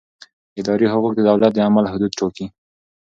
اداري حقوق د دولت د عمل حدود ټاکي.